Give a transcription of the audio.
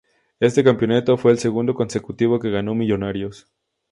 Este campeonato fue el segundo consecutivo que ganó Millonarios.